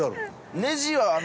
ネジはあの。